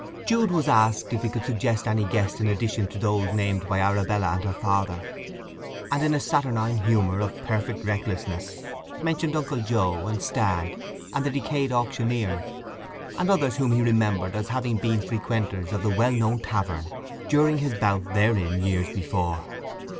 Jude was asked if he could suggest any guest in addition to those named by Arabella and her father, and in a saturnine humour of perfect recklessness mentioned Uncle Joe, and Stagg, and the decayed auctioneer, and others whom he remembered as having been frequenters of the well known tavern during his bout therein years before.